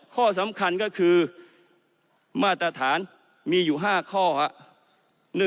ข้อสำคัญก็คือมาตรฐานมีอยู่๕ข้อครับ